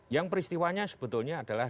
yang peristiwanya sebetulnya adalah